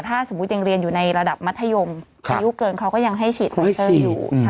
ถ้าสมมุติยังเรียนอยู่ในระดับมัธยมอายุเกินเขาก็ยังให้ฉีดมอเซอร์อยู่